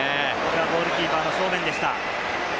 ゴールキーパーの正面でした。